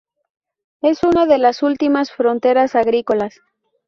Es una de las últimas fronteras agrícolas.